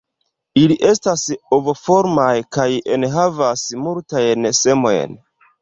Ili estas ovoformaj kaj enhavas multajn semojn.